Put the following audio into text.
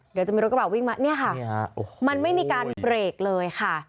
เดี๋ยวจะมีรถกระบะวิ่งมาเนี่ยค่ะมันไม่มีการเบรกเลยค่ะ